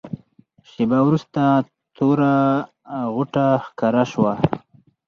شېبه وروسته توره غوټه ښکاره شوه.